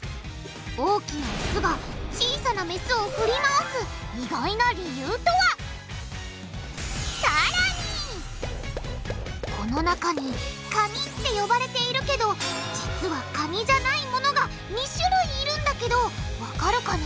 大きなオスが小さなメスを振り回すこの中にカニって呼ばれているけど実はカニじゃないものが２種類いるんだけどわかるかな？